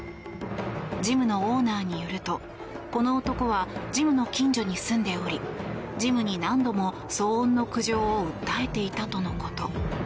ジムのオーナーによるとこの男はジムの近所に住んでおりジムに何度も騒音の苦情を訴えていたとのこと。